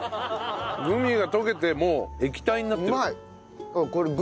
グミが溶けてもう液体になってる。